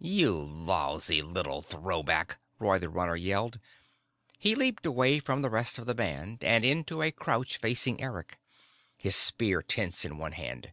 "You lousy little throwback!" Roy the Runner yelled. He leaped away from the rest of the band and into a crouch facing Eric, his spear tense in one hand.